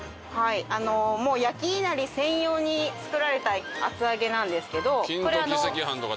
はいもう焼きいなり専用に作られた厚揚げなんですけど。